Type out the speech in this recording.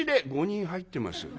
「５人入ってます」。